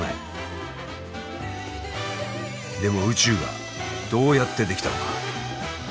でも宇宙がどうやって出来たのか。